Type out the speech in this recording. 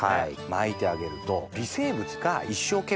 まいてあげると。